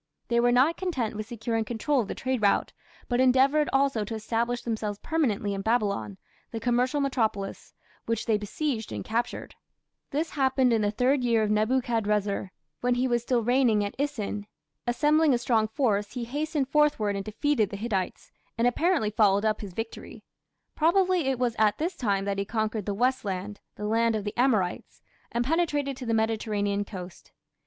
They were not content with securing control of the trade route, but endeavoured also to establish themselves permanently in Babylon, the commercial metropolis, which they besieged and captured. This happened in the third year of Nebuchadrezzar, when he was still reigning at Isin. Assembling a strong force, he hastened northward and defeated the Hittites, and apparently followed up his victory. Probably it was at this time that he conquered the "West Land" (the land of the Amorites) and penetrated to the Mediterranean coast.